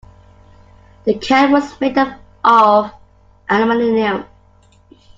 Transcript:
The can was made out of aluminium.